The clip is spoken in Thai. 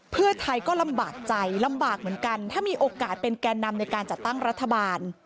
เพื่อไทยก็ลำบากใจลำบากเหมือนกันถ้ามีโอกาสเป็นแก่นำในการจัดตั้งรัฐบาล